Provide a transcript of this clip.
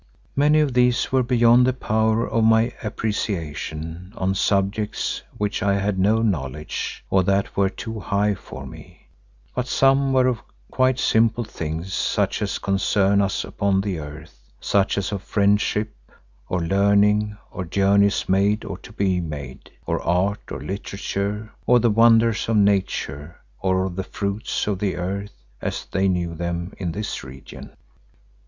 Many of these were beyond the power of my appreciation on subjects of which I had no knowledge, or that were too high for me, but some were of quite simple things such as concern us upon the earth, such as of friendship, or learning, or journeys made or to be made, or art, or literature, or the wonders of Nature, or of the fruits of the earth, as they knew them in this region.